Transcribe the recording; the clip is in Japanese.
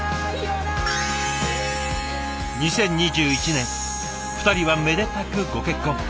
２０２１年２人はめでたくご結婚。